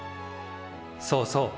そうそう。